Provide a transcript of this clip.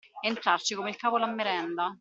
Entrarci come il cavolo a merenda.